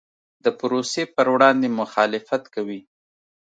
د پروسې پر وړاندې مخالفت کوي.